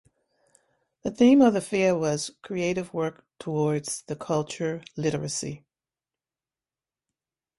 The theme of the fair was "Creative Work Towards the Culture Literacy".